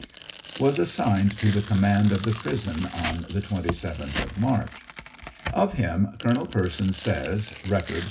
658,) was assigned to the com mand of the prison on the 27th of March. Of him, Colonel Persons says, (Record, p.